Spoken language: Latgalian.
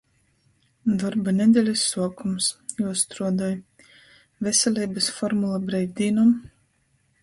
Dorba nedelis suokums... Juostruodoj!. Veseleibys formula breivdīnom?